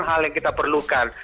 hal yang kita perlukan